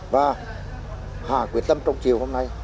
và hạ quyền tâm trong chiều hôm nay